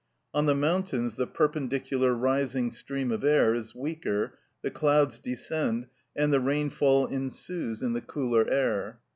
On the mountains the perpendicular rising stream of air is weaker, the clouds descend, and the rainfall ensues in the cooler air.